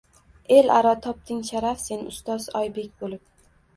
El aro topding sharaf sen, Ustoz Oybek bo’lib.